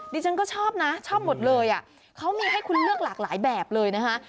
ดิฉันก็ชอบนะชอบหมดเลยอ่ะเขามีให้คุณเลือกหลากหลายแบบเลยนะคะ